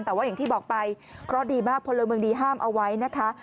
แต่ว่าอย่างที่บอกไปเคราะห์ดีมากพลเมืองดีห้ามเอาไว้นะคะ